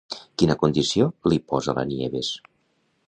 Quina condició li posa la Nieves?